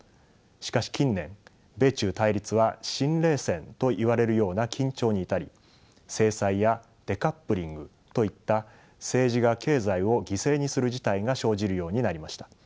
しかし近年米中対立は新冷戦といわれるような緊張に至り制裁やデカップリングといった政治が経済を犠牲にする事態が生じるようになりました。